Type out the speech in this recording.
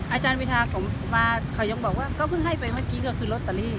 อาจารย์วิทาเขามาเขายังบอกว่าก็เพิ่งให้ไปเมื่อกี้ก็คือลอตเตอรี่